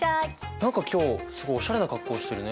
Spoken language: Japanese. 何か今日すごいおしゃれな格好してるね。